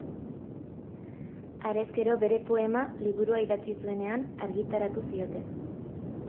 Harez gero, bere poema liburua idatzi zuenean, argitaratu zioten.